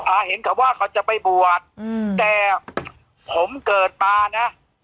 อ่าเหมือนว่าเขาจะไปบ่วนแต่ผมเกิดมานะ